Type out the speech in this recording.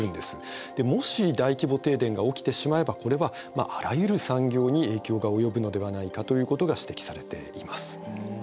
もし大規模停電が起きてしまえばこれはあらゆる産業に影響が及ぶのではないかということが指摘されています。